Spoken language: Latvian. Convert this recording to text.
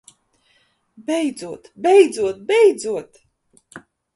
Beidzot! Beidzot! Beidzot!